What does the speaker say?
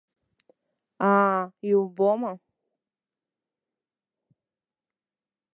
Аа, иубома!